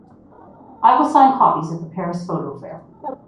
I will sign copies at the Paris Photo fair.